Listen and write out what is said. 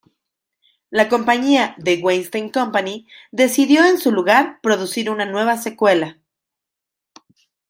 La compañía The Weinstein Company decidió, en su lugar, producir una nueva secuela.